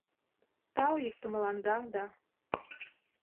Тау йӱктымыланда да